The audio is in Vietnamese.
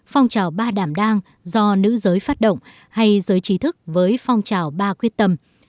phong trào ba đảm đang do nữ giới phát động hay giới trí thức với phong trào ba quyết tâm